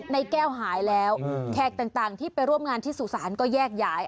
ในแก้วหายแล้วแขกต่างที่ไปร่วมงานที่สุสานก็แยกย้าย